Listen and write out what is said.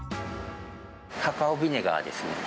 カカオビネガーですね。